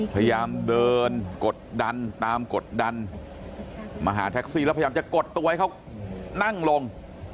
พยายามเดินกดดันตามกดดันมาหาแท็กซี่แล้วพยายามจะกดตัวให้เขานั่งลง